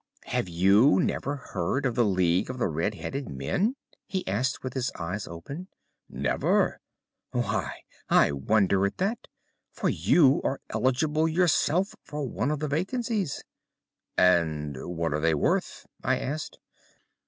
"'Have you never heard of the League of the Red headed Men?' he asked with his eyes open. "'Never.' "'Why, I wonder at that, for you are eligible yourself for one of the vacancies.' "'And what are they worth?' I asked.